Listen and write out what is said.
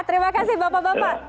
terima kasih bapak bapak